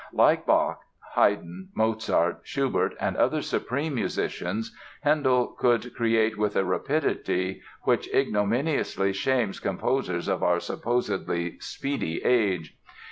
Like Bach, Haydn, Mozart, Schubert and other supreme musicians Handel could create with a rapidity which ignominiously shames composers of our supposedly "speedy" age.